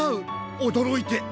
おどろいて！